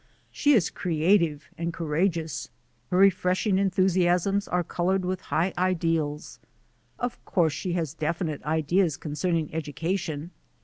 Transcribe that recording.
She is creative and courageous. Her refreshing enthusiasms are coloured with high ideals. Of course she has definite ideas concerning education.